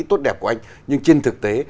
tốt đẹp của anh nhưng trên thực tế